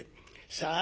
さあ